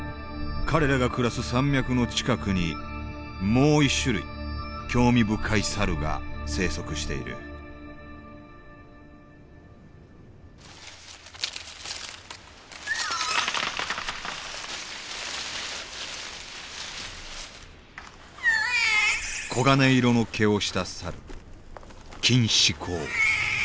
彼らが暮らす山脈の近くにもう一種類興味深いサルが生息している黄金色の毛をしたサルキンシコウ。